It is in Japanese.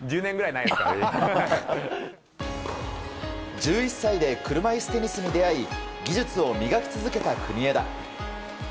１１歳で車いすテニスに出会い技術を磨き続けた国枝。